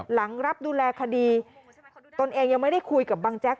หลังรับดูแลคดีตนเองยังไม่ได้คุยกับบังแจ๊ก